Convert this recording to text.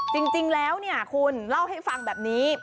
จริงแล้วเนี่ยคุณเล่าให้ฟังแบบนี้